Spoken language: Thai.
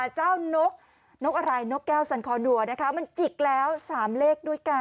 เจ้านกนกอะไรนกแก้วสันคอดัวนะคะมันจิกแล้ว๓เลขด้วยกัน